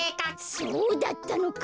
そうだったのか。